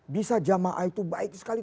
bisa jamaah itu baik sekali